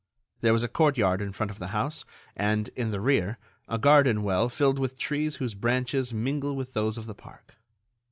There was a courtyard in front of the house, and, in the rear, a garden well filled with trees whose branches mingle with those of the park.